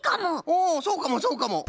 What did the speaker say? おそうかもそうかも。